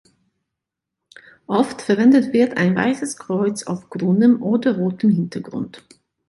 Oft verwendet wird ein weißes Kreuz auf grünem oder rotem Hintergrund.